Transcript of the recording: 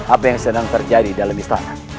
apa yang sedang terjadi dalam istana